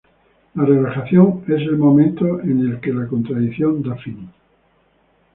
La relajación es el momento en que la contracción da fin.